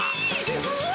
うわ！